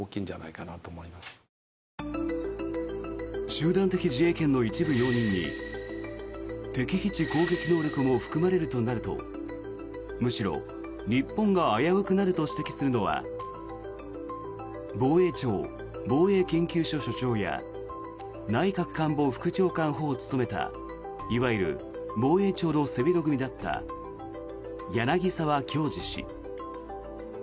集団的自衛権の一部容認に敵基地攻撃能力も含まれるとなるとむしろ日本が危うくなると指摘するのは防衛庁防衛研究所所長や内閣官房副長官補を務めたいわゆる防衛庁の背広組だった柳澤協二氏。